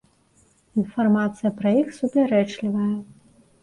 Інфармацыя пра іх супярэчлівая.